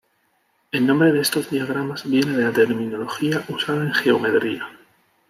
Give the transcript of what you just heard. El nombre de estos diagramas viene de la terminología usada en geometría.